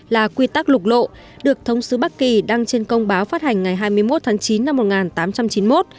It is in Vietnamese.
là quy tắc lục lộ được thống sứ bắc kỳ đăng trên công báo phát hành ngày hai mươi một tháng chín năm một nghìn tám trăm chín mươi một